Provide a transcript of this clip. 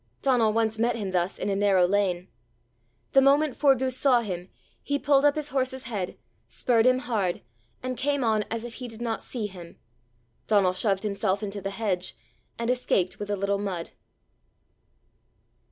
Donal once met him thus in a narrow lane. The moment Forgue saw him, he pulled up his horse's head, spurred him hard, and came on as if he did not see him. Donal shoved himself into the hedge, and escaped with a little mud.